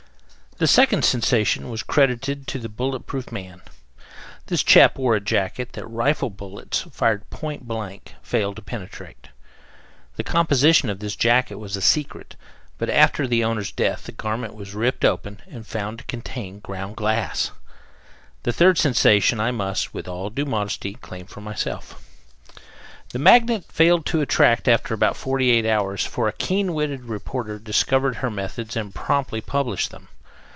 The second sensation was credited to the Bullet Proof Man. This chap wore a jacket that rifle bullets, fired point blank, failed to penetrate. The composition of this jacket was a secret, but after the owner's death the garment was ripped open and found to contain ground glass! The third sensation I must, with all due modesty, (business of bowing) claim for myself. The Magnet failed to attract after about forty eight hours, for a keen witted reporter discovered her methods and promptly published them.